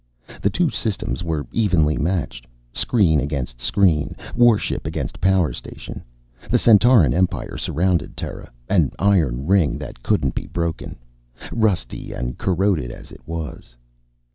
The two systems were evenly matched. Screen against screen. Warship against power station. The Centauran Empire surrounded Terra, an iron ring that couldn't be broken, rusty and corroded as it was.